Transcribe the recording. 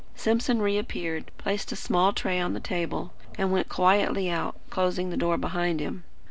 Simpson reappeared, placed a small tray on the table, and went quietly out, closing the door behind him.